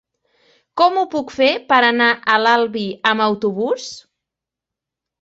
Com ho puc fer per anar a l'Albi amb autobús?